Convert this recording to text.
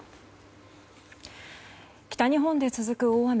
北日本で続く大雨。